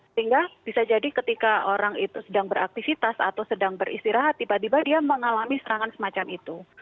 sehingga bisa jadi ketika orang itu sedang beraktivitas atau sedang beristirahat tiba tiba dia mengalami serangan semacam itu